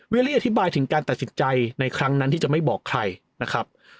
ลี่อธิบายถึงการตัดสินใจในครั้งนั้นที่จะไม่บอกใครนะครับ